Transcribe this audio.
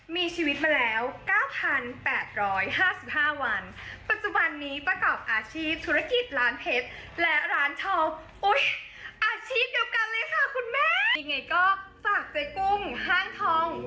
๑๘๓๖มีชีวิตมาแล้ว๙๘๕๕วันปัจจุบันนี้ประกอบอาชีพธุรกิจร้านเพชรและร้านทองอุ้ยอาชีพเดียวกันเลยค่ะคุณแม่